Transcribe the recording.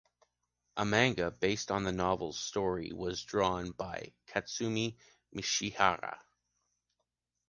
A manga, based on the novels’ stories, was drawn by Katsumi Michihara.